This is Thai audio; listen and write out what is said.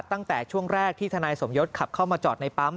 ตั้งแต่ช่วงแรกที่ทนายสมยศขับเข้ามาจอดในปั๊ม